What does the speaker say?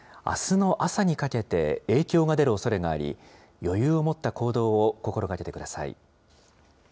あすの朝にかけて影響が出るおそれがあり、余裕を持った行動を心がけてください。